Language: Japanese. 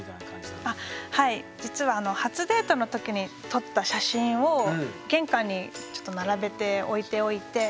はい実は初デートのときに撮った写真を玄関にちょっと並べて置いておいて。